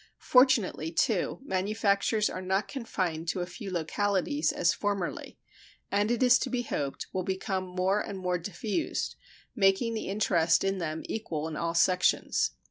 Fortunately, too, manufactures are not confined to a few localities, as formerly, and it is to be hoped will become more and more diffused, making the interest in them equal in all sections.